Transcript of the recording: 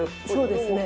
そうですね。